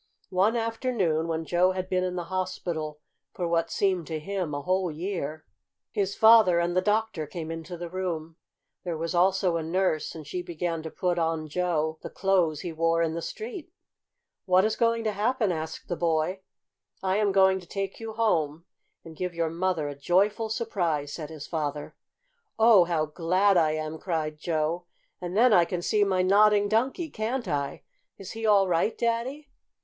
One afternoon, when Joe had been in the hospital for what seemed to him a whole year, his father and the doctor came into the room. There was also a nurse, and she began to put on Joe the clothes he wore in the street. "What is going to happen?" asked the boy. "I am going to take you home, and give your mother a joyful surprise," said his father. "Oh, how glad I am!" cried Joe. "And then I can see my Nodding Donkey, can't I? Is he all right, Daddy?"